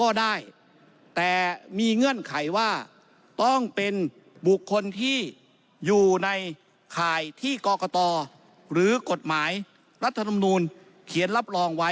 ก็ได้แต่มีเงื่อนไขว่าต้องเป็นบุคคลที่อยู่ในข่ายที่กรกตหรือกฎหมายรัฐธรรมนูลเขียนรับรองไว้